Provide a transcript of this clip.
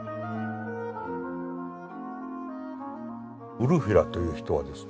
ウルフィラという人はですね